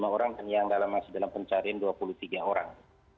empat puluh lima orang dan yang masih dalam pencarian dua puluh tiga orang